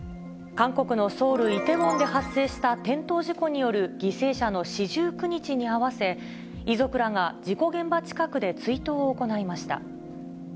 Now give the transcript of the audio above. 韓国のソウル・イテウォンで発生した転倒事故による犠牲者の四十九日に合わせ、遺族らが事故現場近くで追悼を行いました。